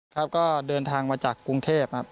ครับก็เดินทางมาจากกรุงเทพครับ